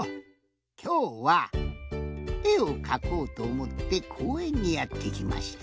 きょうはえをかこうとおもってこうえんにやってきました。